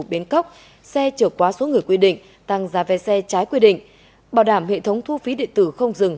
biến cốc xe trở quá số người quy định tăng giá ve xe trái quy định bảo đảm hệ thống thu phí điện tử không dừng